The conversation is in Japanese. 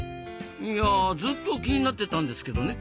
いやずっと気になってたんですけどね